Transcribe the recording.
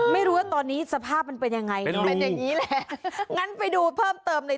ไม่รู้ว่าตอนนี้สภาพมันเป็นยังไงเนอะเป็นอย่างนี้แหละงั้นไปดูเพิ่มเติมใน